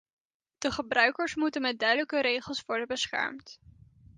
De gebruikers moeten met duidelijke regels worden beschermd.